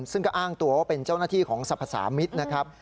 ซึ่งก็อ้างตัวว่าเป็นเจ้าหน้าที่ของสรรพสามิตรนะครับ